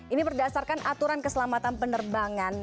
ini berdasarkan aturan keselamatan penerbangan